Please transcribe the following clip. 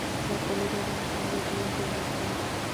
زردالو د افغانستان د اقلیم ځانګړتیا ده.